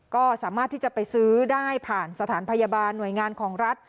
ก็สามารถที่จะไปซื้อได้ผ่านสถานพยาบาลหน่วยงานของรัฐ